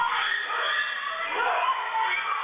เจ้าเจ้าเจ้าเจ้าเจ้าเจ้า